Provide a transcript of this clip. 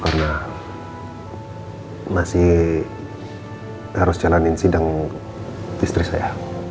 karena masih harus jalanin sidang istri saya